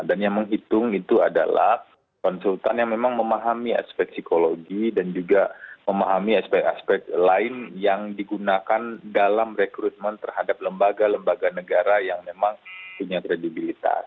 dan yang menghitung itu adalah konsultan yang memang memahami aspek psikologi dan juga memahami aspek aspek lain yang digunakan dalam rekrutmen terhadap lembaga lembaga negara yang memang punya kredibilitas